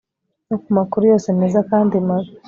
no ku makuru yose meza kandi mabi